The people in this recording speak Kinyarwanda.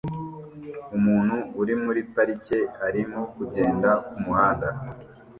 Umuntu uri muri parike arimo kugenda kumuhanda